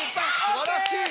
すばらしい！